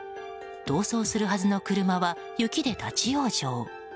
逃走するはずの車は雪で立ち往生。